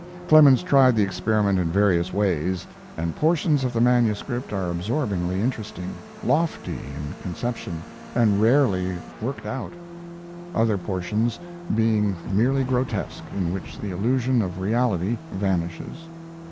Clemens tried the experiment in various ways, and portions of the manuscript are absorbingly interesting, lofty in conception, and rarely worked out other portions being merely grotesque, in which the illusion of reality vanishes.